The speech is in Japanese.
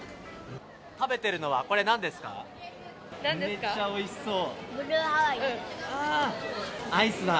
めっちゃおいしそう。